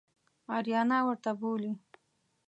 آریانا ورته بولي.